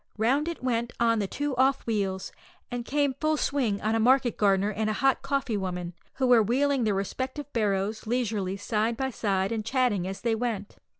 Round it went on the two off wheels, and came full swing on a market gardener and a hot coffee woman, who were wheeling their respective barrows leisurely side by side, and chatting as they went.